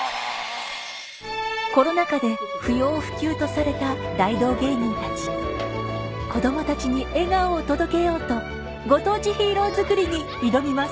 コロナ禍で不要不急とされた大道芸人たち子供たちに笑顔を届けようとご当地ヒーローづくりに挑みます